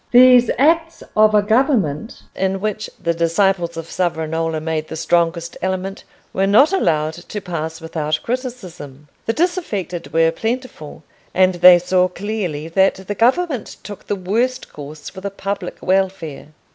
These acts of a government in which the disciples of Savonarola made the strongest element were not allowed to pass without criticism. The disaffected were plentiful, and they saw clearly that the government took the worst course for the public welfare.